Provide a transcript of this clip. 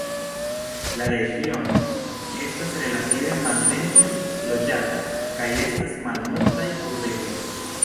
La regiono estas relative maldense loĝata, kaj estas malmultaj urbegoj.